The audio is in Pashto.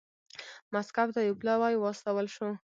مسکو ته یو پلاوی واستول شو